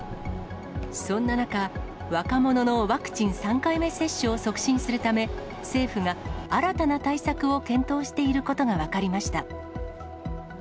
そんな中、若者のワクチン３回目接種を促進するため、政府が新たな対策を検討していることが分かりました。